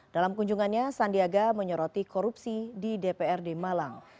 dalam kunjungannya sandiaga menyoroti korupsi di dprd malang